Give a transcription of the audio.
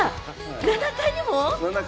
７階にも？